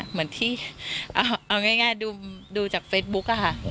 เหมือนที่เอาง่ายดูจากเฟซบุ๊กอะค่ะ